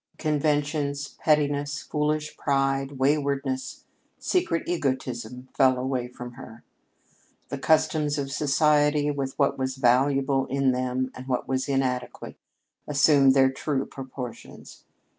Conventions, pettiness, foolish pride, waywardness, secret egotism, fell away from her. The customs of society, with what was valuable in them and what was inadequate, assumed their true proportions.